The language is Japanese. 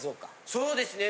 そうですね。